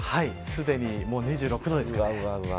すでに、もう２６度ですから。